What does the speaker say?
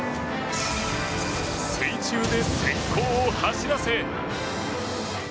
水中で閃光を走らせ。